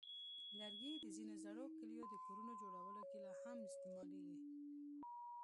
لرګي د ځینو زړو کلیو د کورونو جوړولو کې لا هم استعمالېږي.